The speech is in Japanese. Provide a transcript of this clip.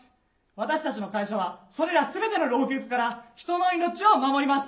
私たちの会社はそれら全ての老朽化から人の命を守ります。